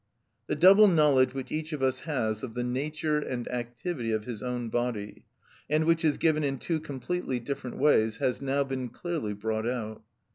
The double knowledge which each of us has of the nature and activity of his own body, and which is given in two completely different ways, has now been clearly brought out.